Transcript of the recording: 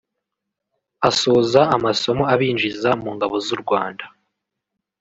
Asoza amasomo abinjiza mu ngabo z’u Rwanda